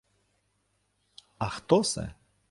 — А хто сте?